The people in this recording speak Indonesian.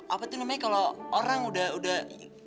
apa tuh namanya kalau orang udah